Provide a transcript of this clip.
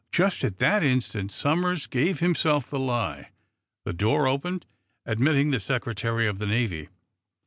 Just at that instant Somers gave himself the lie. The door opened, admitting the Secretary of the Navy.